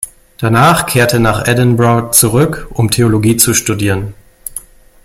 Danach kehrte nach Edinburgh zurück, um Theologie zu studieren.